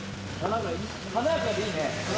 華やかでいいね。